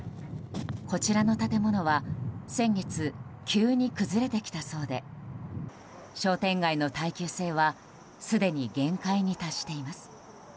こちらの建物は先月、急に崩れてきたそうで商店街の耐久性はすでに限界に達しています。